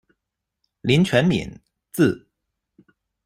林权敏，字。